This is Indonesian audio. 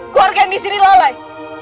keluarga yang disini lalai